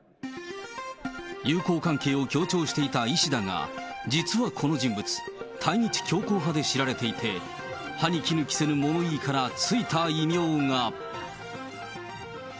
友好関係を強調していたイ氏だが、実はこの人物、対日強硬派で知られていて、歯に衣着せぬ物言いから、付いた異名が。